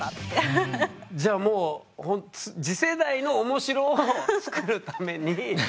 じゃあもうほんと次世代のおもしろを作るために。